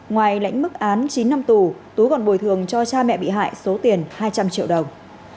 ngoài lãnh mức án chín năm tù tú còn bồi thường cho cha mẹ bị hại số tiền hai trăm linh triệu đồng